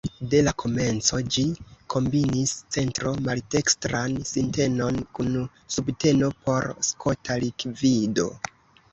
De la komenco ĝi kombinis centro-maldekstran sintenon kun subteno por skota likvido.